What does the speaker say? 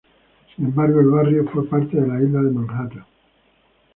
Sin embargo, el barrio fue parte de la isla de Manhattan.